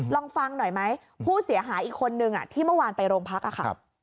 ลองฟังหน่อยไหมผู้เสียหายอีกคนนึงที่เมื่อวานไปโรงพักค่ะ